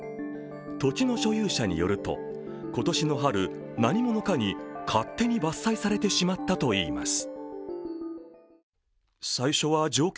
土地の所有者によると、今年の春、何者かに勝手に伐採されてしまったといいます。